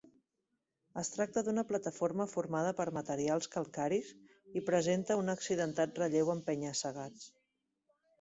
Es tracta d'una plataforma formada per materials calcaris i presenta un accidentat relleu amb penya-segats.